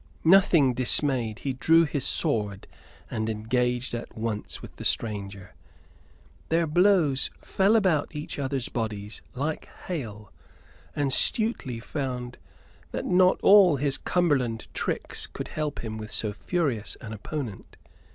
Nothing dismayed, he drew his sword, and engaged at once with the stranger. Their blows fell about each other's bodies like hail, and Stuteley found that not all his Cumberland tricks could help him with so furious an opponent.